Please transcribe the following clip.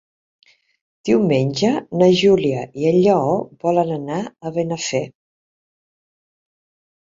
Diumenge na Júlia i en Lleó volen anar a Benafer.